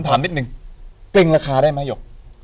ถามนิดนึงเกรงราคาได้ไหมหยก